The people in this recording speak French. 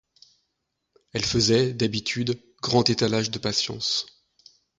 Elle faisait, d’habitude, grand étalage de patience.